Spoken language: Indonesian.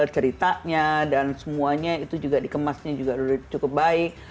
ceritanya dan semuanya itu juga dikemasnya juga cukup baik